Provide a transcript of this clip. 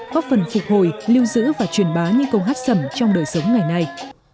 có phần phục hồi lưu giữ và truyền bá những câu hát sẩm trong đời sống ngày nay